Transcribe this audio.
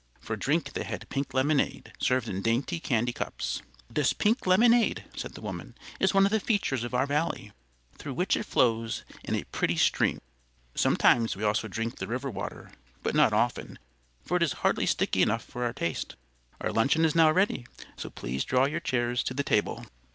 For drink they had pink lemonade, served in dainty candy cups. "This pink lemonade," said the woman, "is one of the features of our Valley, through which it flows in a pretty stream. Sometimes we also drink the river water, but not often, for it is hardly sticky enough for our taste. Our luncheon is now ready, so please draw your chairs to the table."